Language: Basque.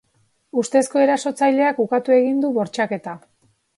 Ustezko erasotzaileak ukatu egin du bortxaketa.